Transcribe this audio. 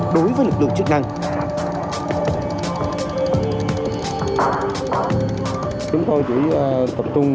đối với lực lượng chức năng